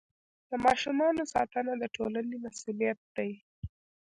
د ماشومانو ساتنه د ټولنې مسؤلیت دی.